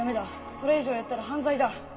それ以上やったら犯罪だ。